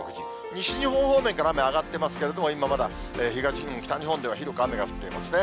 西日本方面から雨上がってますけれども、今、まだ東日本、北日本では広く雨が降っていますね。